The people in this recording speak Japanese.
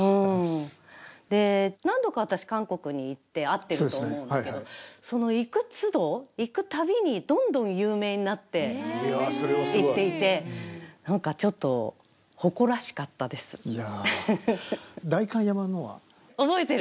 で、何度か私、韓国に行って会ってると思うんだけど、その行くつど、行くたびに、どんどん有名になっていっていて、いやー、覚えてる。